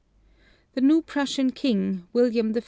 The new Prussian King, William I.